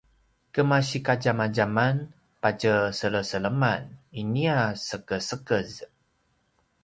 kemasi kadjamadjaman patje seleseleman inia sekesekez